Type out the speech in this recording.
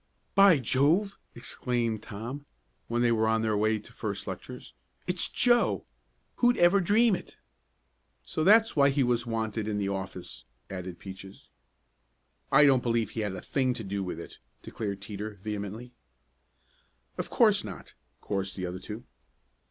"By Jove!" exclaimed Tom, when they were on their way to first lectures. "It's Joe! Who'd ever dream it?" "So that's why he was wanted in the office," added Peaches. "I don't believe he had a thing to do with it!" declared Teeter vehemently. "Of course not!" chorused the other two.